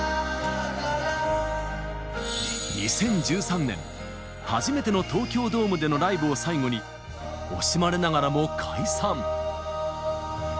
２０１３年初めての東京ドームでのライブを最後に惜しまれながらも解散。